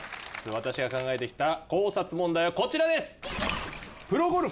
私が考えてきた考察問題はこちらです！